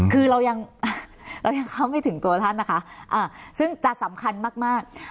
คือเรายังเรายังเข้าไม่ถึงตัวท่านนะคะซึ่งจะสำคัญมากมาก